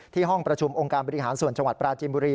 ห้องประชุมองค์การบริหารส่วนจังหวัดปราจีนบุรี